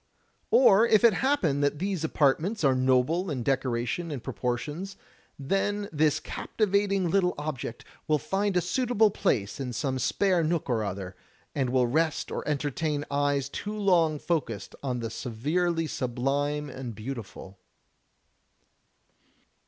Or if it happen that these apartments are noble in decoration and proportions, then this captivat ing little object will find a suitable place in some spare nook or other, and will rest or entertain eyes too long focused on the severely sublime and beautiful."